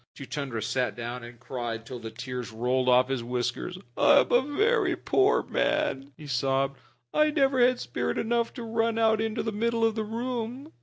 Chuchundra sat down and cried till the tears rolled off his whiskers. "I am a very poor man," he sobbed. "I never had spirit enough to run out into the middle of the room.